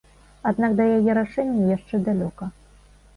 Аднак да яе рашэння яшчэ далёка.